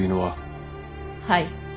はい。